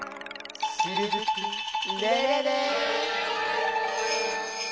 シルヴプレレレ！